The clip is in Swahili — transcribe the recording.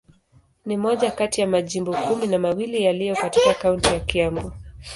Ni moja kati ya majimbo kumi na mawili yaliyo katika kaunti ya Kiambu.